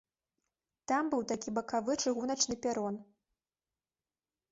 Там быў такі бакавы чыгуначны перон.